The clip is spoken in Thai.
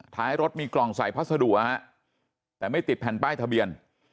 ท้ายรถมีกล่องใส่พัสดุแต่ไม่ติดแผ่นป้ายทะเบียน